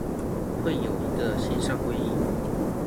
會有一個線上會議